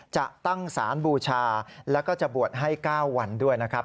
จะตั้งสารบูชาแล้วก็จะบวชให้๙วันด้วยนะครับ